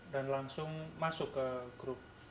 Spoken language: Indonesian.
dan langsung masuk ke grup